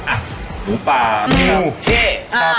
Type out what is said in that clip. อ่ะหนูป่านูเช่อ่ะ